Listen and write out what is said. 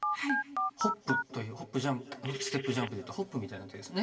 ホップと「ホップステップジャンプ」で言うとホップみたいな手ですね。